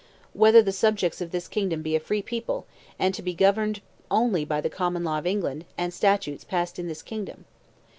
"Whether the subjects of this Kingdom be a free people, and to be governed only by the common law of England, and statutes passed in this Kingdom